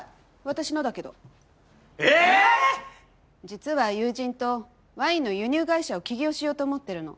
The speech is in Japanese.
実は友人とワインの輸入会社を起業しようと思ってるの。